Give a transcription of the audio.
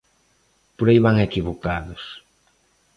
Por aí van equivocados.